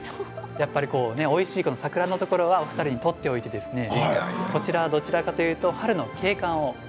やっぱり、おいしい桜のところはお二人にとっていてこちらはどちらかというと春の景観です。